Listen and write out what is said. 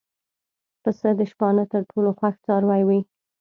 پسه د شپانه تر ټولو خوښ څاروی وي.